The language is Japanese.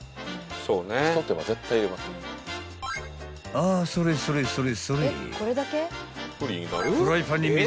［あそれそれそれそれ］